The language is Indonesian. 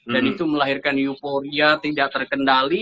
dan itu melahirkan euforia tidak terkendali